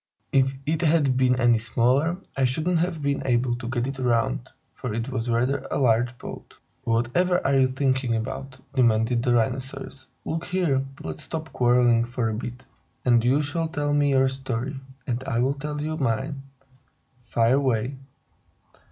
If it had been any smaller, I shouldn't have been able to get it round, for it was rather a large boat." "Whatever are you talking about?" demanded the Rhinoceros. "Look here! Let's stop quarreling for a bit, and you shall tell me your story and I'll tell you mine. Fire away!"